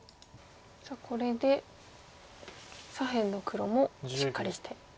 さあこれで左辺の黒もしっかりして。